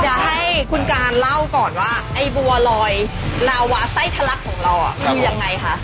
เดี๋ยวให้คุณการเล่าก่อนว่าไอ้บัวลอยลาวาไส้ทะลักของเราคือยังไงคะ